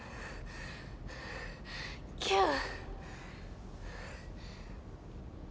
キューン？